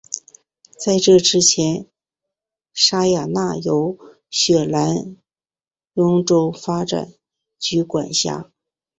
在这之前沙亚南由雪兰莪州发展局管辖。